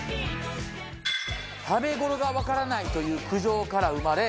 食べ頃がわからないという苦情から生まれ